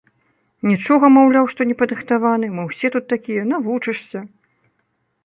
Нічога, маўляў, што непадрыхтаваны, мы ўсе тут такія, навучышся.